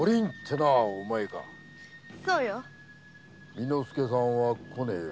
巳之助さんは来ねえよ。